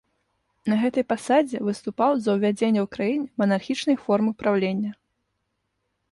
На гэтай пасадзе выступаў за ўвядзенне ў краіне манархічнай формы праўлення.